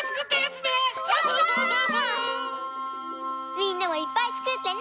みんなもいっぱいつくってね！